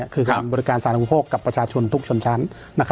คือการบริการสารอุโภคกับประชาชนทุกชนชั้น